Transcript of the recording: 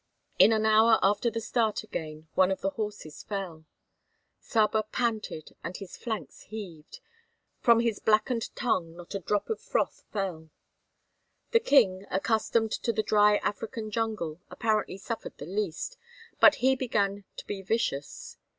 In an hour after the start again one of the horses fell. Saba panted and his flanks heaved; from his blackened tongue not a drop of froth fell. The King, accustomed to the dry African jungle, apparently suffered the least, but he began to be vicious.